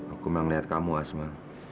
aku memang lihat kamu asma